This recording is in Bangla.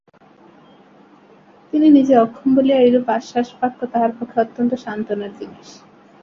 তিনি নিজে অক্ষম বলিয়া এইরূপ আশ্বাসবাক্য তাঁহার পক্ষে অত্যন্ত সান্ত্বনার জিনিস।